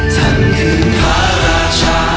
ท่านคือข้าราชา